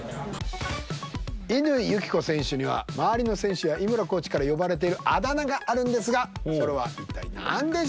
乾友紀子選手には周りの選手や井村コーチから呼ばれているあだ名があるんですがそれは一体なんでしょうか？